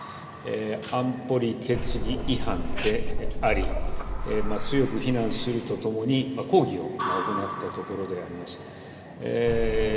安保理決議違反であり強く非難するとともに抗議を行ったところであります。